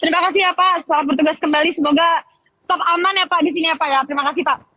terima kasih ya pak selamat bertugas kembali semoga tetap aman ya pak di sini ya pak ya terima kasih pak